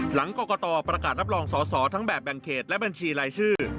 หลังกรกตประกาศรับรองสอสอทั้งแบบแบ่งเขตและบัญชีรายชื่อ